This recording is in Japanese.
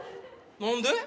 何で？